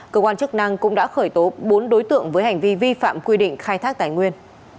cơ quan chức năng cũng đã khởi tố bốn đối tượng với hành vi vi phạm quy định khai thác tài nguyên